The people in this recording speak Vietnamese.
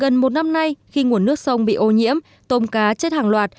gần một năm nay khi nguồn nước sông bị ô nhiễm tôm cá chết hàng loạt